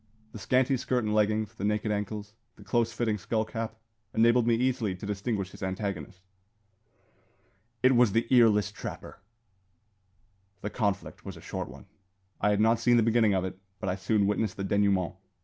The scanty skirt and leggings, the naked ankles, the close fitting skull cap, enabled me easily to distinguish his antagonist. It was the earless trapper! The conflict was a short one. I had not seen the beginning of it, but I soon witnessed the denouement.